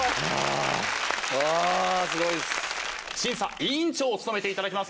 審査委員長を務めていただきます